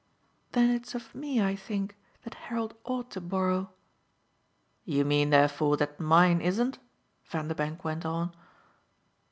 "Then it's of me, I think, that Harold ought to borrow." "You mean therefore that mine isn't?" Vanderbank went on.